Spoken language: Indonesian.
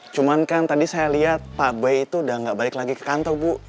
cuman kan tadi saya lihat pak bey itu udah gak balik lagi ke kantor bu